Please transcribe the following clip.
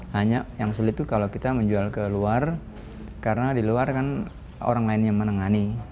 hanya yang sulit itu kalau kita menjual ke luar karena di luar kan orang lain yang menengani